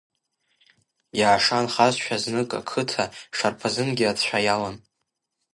Иаашанхазшәа знык ақыҭа, шарԥазынгьы ацәа иалан.